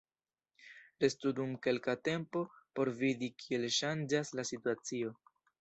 Restu dum kelka tempo por vidi kiel ŝanĝas la situacio.